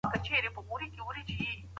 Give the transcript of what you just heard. حلزون 🐌